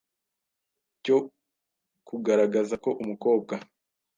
cyo kugaragaza ko umukobwa